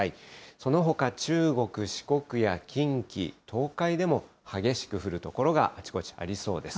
そのほか中国、四国や近畿、東海でも、激しく降る所があちこちありそうです。